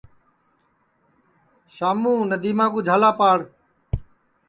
شاموں ندیما کُو جھالا پاڑ